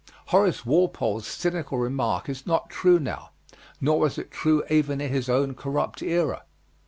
Horace Walpole's cynical remark is not true now, nor was it true even in his own corrupt era.